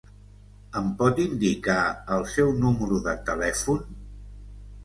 Em pot indicar el seu número de telèfon?